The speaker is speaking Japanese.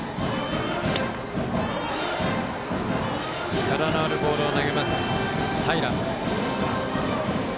力のあるボールを投げます、平。